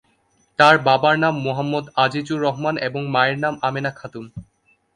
তার বাবার নাম মোহাম্মদ আজিজুর রহমান এবং মায়ের নাম আমেনা খাতুন।